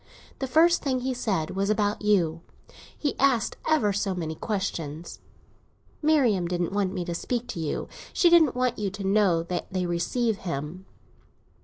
The first thing he said was about you; he asked ever so many questions. Marian didn't want me to speak to you; she didn't want you to know that they receive him.